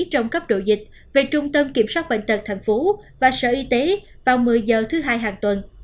trong cấp độ dịch về trung tâm kiểm soát bệnh tật tp hcm và sở y tế vào một mươi h thứ hai hàng tuần